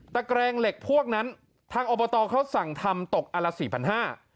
แกรงเหล็กพวกนั้นทางอบตเขาสั่งทำตกอันละสี่พันห้า